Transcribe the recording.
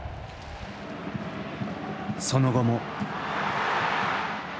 その後も。